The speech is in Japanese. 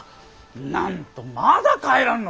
なんとまだ帰らぬのか。